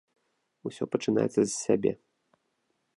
Усё пачынаецца з сябе.